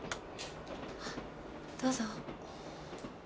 どうぞ。